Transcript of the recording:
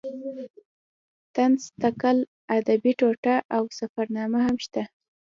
طنز تکل ادبي ټوټه او سفرنامه هم شته.